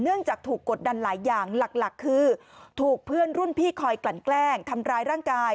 จากถูกกดดันหลายอย่างหลักคือถูกเพื่อนรุ่นพี่คอยกลั่นแกล้งทำร้ายร่างกาย